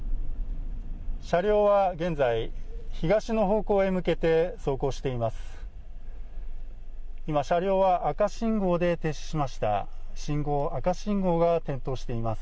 車両は現在、東の方向へ向けて走行しています。